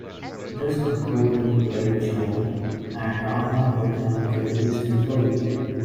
This concluded in late June, and "Norman" returned to the Eastern Fleet.